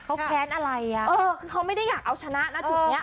เขาแค้นอะไรอ่ะเออคือเขาไม่ได้อยากเอาชนะนะจุดนี้